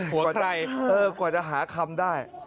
หัวใครหัวใครเออกว่าจะหาคำได้